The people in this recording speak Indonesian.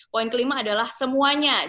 poin kelima adalah semuanya